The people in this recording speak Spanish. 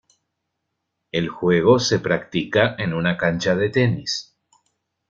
El juego se practica en una cancha de tenis.